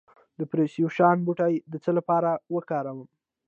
د پرسیاوشان بوټی د څه لپاره وکاروم؟